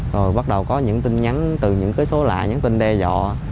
rồi bắt đầu có những tin nhắn từ những số lạ những tin đe dọa